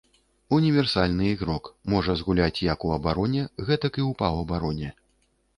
Універсальны ігрок, можа згуляць як у абароне, гэтак і ў паўабароне.